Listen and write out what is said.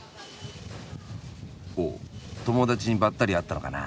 おっ友達にバッタリ会ったのかな。